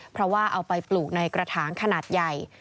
เพราะว่าเอาไปปลูกในกระถางขนาดใหญ่